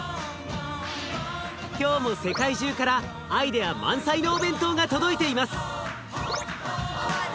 今日も世界中からアイデア満載のお弁当が届いています。